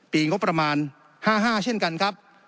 ปีงบประมาณ๕๕เช่นกันครับ